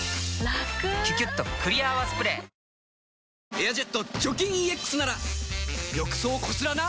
「エアジェット除菌ＥＸ」なら浴槽こすらな。